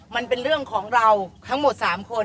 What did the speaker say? มันเป็นเรื่องของเราทั้งหมด๓คน